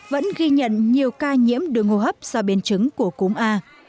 vẫn ghi nhận nhiều ca nhiễm đường hô hấp do biến chứng của cúm a